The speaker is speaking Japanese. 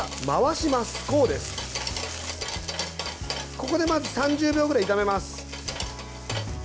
ここでまず３０秒ぐらい炒めます。